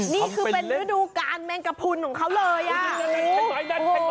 นี่คือเป็นฤดูการแมงกระพุนของเขาเลยอ่ะ